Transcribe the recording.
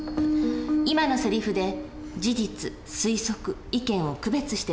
今のセリフで事実推測意見を区別してごらんなさい。